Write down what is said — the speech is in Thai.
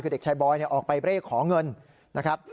คือเด็กชายบอยออกไปเร่ขอเงินนะครับ